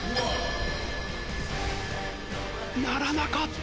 鳴らなかった！